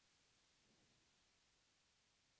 Es un álbum conceptual y ópera rock.